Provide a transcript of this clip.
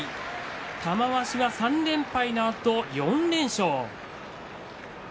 玉鷲は３連敗のあと４連勝。